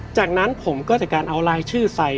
จากนั้นผมก็จากการเอาลายชื่อไซ